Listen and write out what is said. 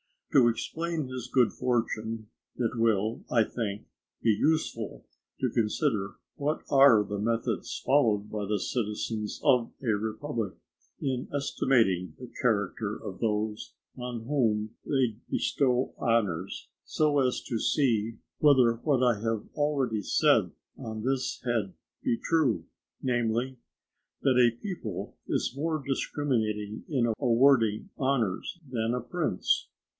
To explain his good fortune, it will, I think, be useful to consider what are the methods followed by the citizens of a republic in estimating the character of those on whom they bestow honours, so as to see whether what I have already said on this head be true, namely, that a people is more discriminating in awarding honours than a prince.